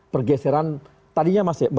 pergeseran tadinya masih